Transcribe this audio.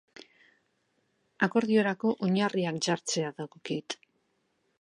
Akordiorako oinarriak jartzea dagokit.